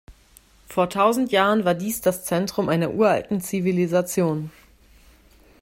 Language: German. Vor tausend Jahren war dies das Zentrum einer uralten Zivilisation.